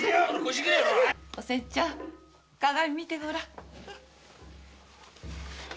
おせんちゃん鏡見てごらん。